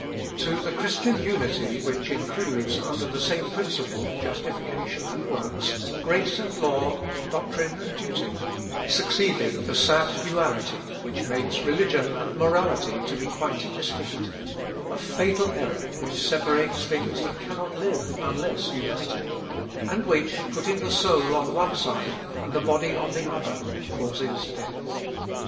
To the Christian unity, which includes under the same principle justification and works, grace and law, doctrine and duty, succeeded the sad duality, which makes religion and morality to be quite distinct, a fatal error, which separates things that cannot live unless united, and which, putting the soul on one side, and the body on the other, causes death.